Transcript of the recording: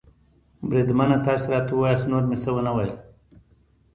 بریدمنه، تاسې راته ووایاست، نور مې څه و نه ویل.